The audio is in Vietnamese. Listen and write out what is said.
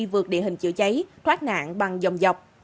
vượt địa hình chữa cháy thoát nạn bằng dòng dọc